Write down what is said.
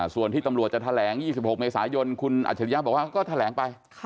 ส่วนที่ตำรวจจะแถลง๒๖เมษายนคุณอัจฉริยะบอกว่าก็แถลงไป